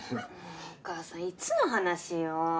お母さんいつの話よ。